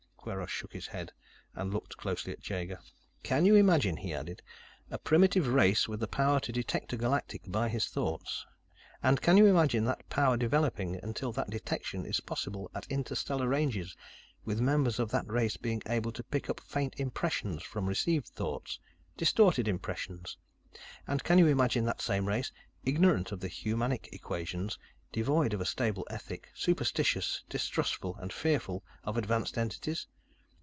Kweiros shook his head and looked closely at Jaeger. "Can you imagine," he added, "a primitive race with the power to detect a galactic by his thoughts? And can you imagine that power developing until that detection is possible at interstellar ranges, with members of that race being able to pick up faint impressions from received thoughts distorted impressions? And can you imagine that same race, ignorant of the humanic equations, devoid of a stable ethic, superstitious, distrustful and fearful of advanced entities?